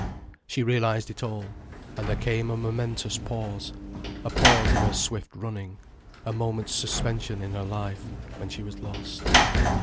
She realized it all, and there came a momentous pause, a pause in her swift running, a moment's suspension in her life, when she was lost.